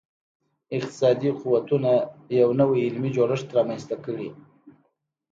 اقتصادي قوتونو یو نوی علمي جوړښت رامنځته کړي.